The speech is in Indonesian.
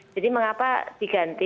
jadi mengapa diganti